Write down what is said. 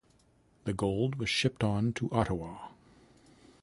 The gold was shipped on to Ottawa.